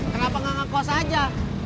kenapa gak ngekos aja